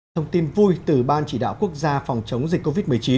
thông tin vui từ ban chỉ đạo quốc gia phòng chống dịch covid một mươi chín